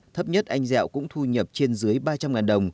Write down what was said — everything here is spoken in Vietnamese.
thấp nhất anh dẹo cũng thu nhập trên dưới ba trăm linh đồng